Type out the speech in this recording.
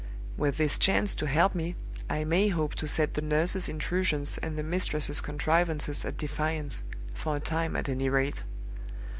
With this chance to help me, I may hope to set the nurse's intrusions and the mistress's contrivances at defiance for a time, at any rate.